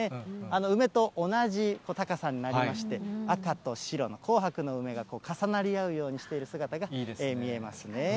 梅と同じ高さになりまして、赤と白の紅白の梅が重なり合うようにしている姿が見えますね。